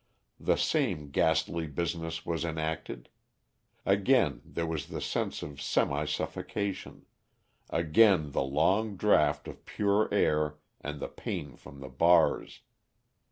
The same ghastly business was enacted; again there was the sense of semi suffocation, again the long draught of pure air and the pain from the bars.